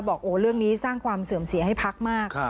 เรื่องนี้สร้างความเสื่อมเสียให้พักมาก